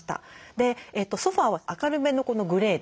でソファーは明るめのこのグレーで。